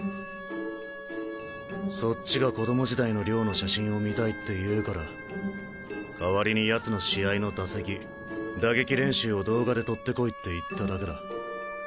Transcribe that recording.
そっちが子供時代の遼の写真を見たいって言うから代わりに奴の試合の打席打撃練習を動画で撮ってこいって言っただけだ。